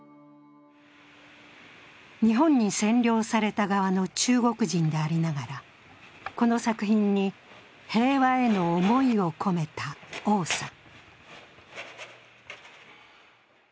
日本に占領された側の中国人でありながらこの作品に平和への思いを込めた王さん。